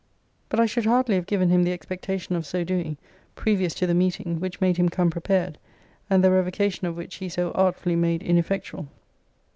But I should hardly have given him the expectation of so doing, previous to the meeting, which made him come prepared; and the revocation of which he so artfully made ineffectual.